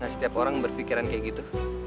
nah setiap orang berfikiran kayak gitu